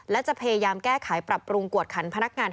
และจะพยายามแก้ไขปรับปรุงกวดขันพนักงาน